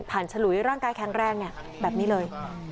ฉลุยร่างกายแข็งแรงแบบนี้เลย